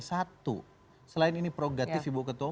satu selain ini progratif ibu ketua